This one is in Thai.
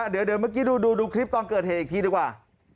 เดี๋ยวเมื่อกี้ดูคลิปตอนเกิดเหตุอีกทีดีกว่า